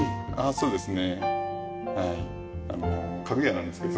そうですね。